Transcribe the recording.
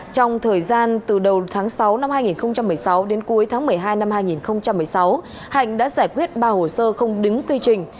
trong thời gian từ đầu tháng sáu năm hai nghìn một mươi sáu đến cuối tháng một mươi hai năm hai nghìn một mươi sáu hạnh đã giải quyết ba hồ sơ không đứng quy trình